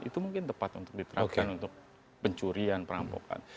itu mungkin tepat untuk diterapkan untuk pencurian perampokan